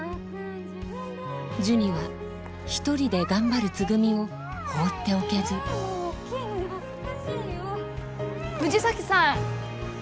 ジュニは１人で頑張るつぐみを放っておけず藤崎さん！